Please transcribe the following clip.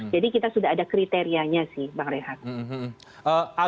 jadi kita sudah ada kriterianya sih bang rehat